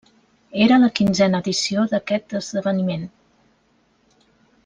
Era la quinzena edició d'aquest esdeveniment.